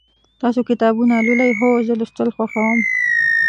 تاسو کتابونه لولئ؟ هو، زه لوستل خوښوم